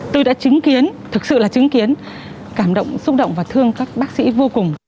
tôi đã chứng kiến thực sự là chứng kiến cảm động xúc động và thương các bác sĩ vô cùng